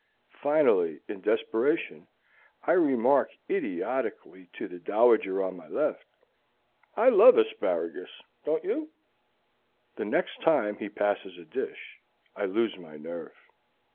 Finally, in desperation, I remark idiotically to the dowager at my left, "I love asparagus; don't you?" The next time he passes a dish, I lose my nerve.